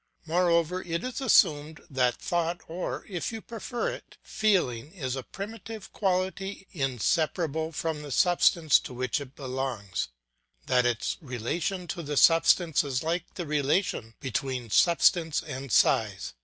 Moreover it is assumed that thought or, if you prefer it, feeling is a primitive quality inseparable from the substance to which it belongs, that its relation to the substance is like the relation between substance and size.